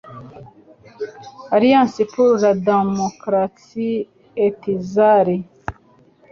alliance pour la d mocratie etzari